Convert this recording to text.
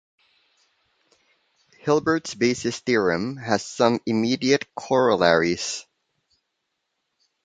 Hilbert's basis theorem has some immediate corollaries.